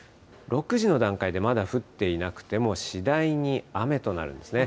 ６時の段階でまだ降っていなくても、次第に雨となるんですね。